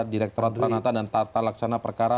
direkturat peranata dan tata laksana perkara